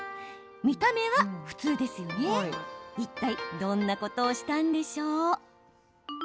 見た目は普通ですが、いったいどんなことをしたんでしょう？